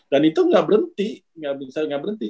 dan itu gak berhenti saya gak berhenti